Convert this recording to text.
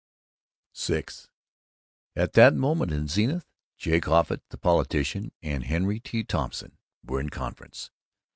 VI At that moment in Zenith, Jake Offutt, the politician, and Henry T. Thompson were in conference.